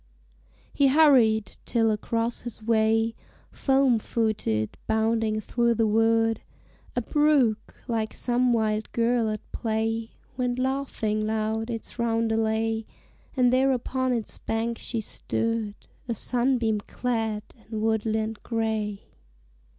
He hurried, till across his way, Foam footed, bounding through the wood, A brook, like some wild girl at play, Went laughing loud its roundelay; And there upon its bank she stood, A sunbeam clad in woodland gray.